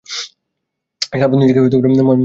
শালারপুত নিজেকে মহান উকিল মনে করিস?